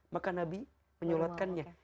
maka nabi menyulatkannya